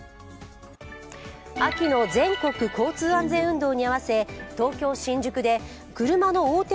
秋の全国交通安全運動に合わせ東京・新宿で車の横転